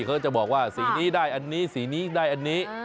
เขาจะบอกว่าสีนี้ได้อันนี้สีนี้ได้อันนี้